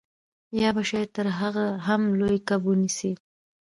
یا به شاید تر هغه هم لوی کب ونیسئ